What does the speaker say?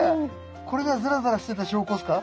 これがザラザラしてた証拠ですか？